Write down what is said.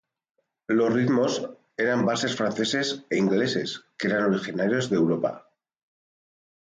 Los ritmos eran valses franceses e ingleses que eran originarios de Europa.